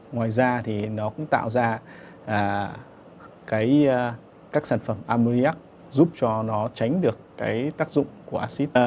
ngoài ra nó cũng tạo ra các sản phẩm amoniac giúp cho nó tránh được tác dụng của acid